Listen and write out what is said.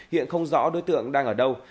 hiện không rõ đối tượng đang ở đâu